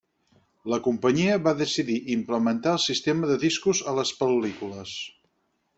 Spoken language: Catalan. La companyia va decidir implementar el sistema de discos a les pel·lícules.